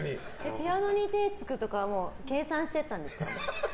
ピアノに手をつくとかは計算してたんですか？